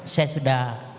saya sudah menjelaskan